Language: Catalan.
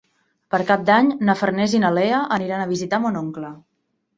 Per Cap d'Any na Farners i na Lea aniran a visitar mon oncle.